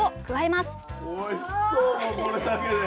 おいしそうもうこれだけで。